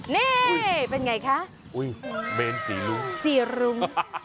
นี่เป็นไงคะอุ้ยเมนสี่รุ้งสี่รุ้ง